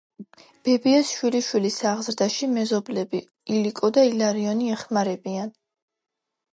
ბებიას შვილიშვილის აღზრდაში მეზობლები, ილიკო და ილარიონი ეხმარებიან.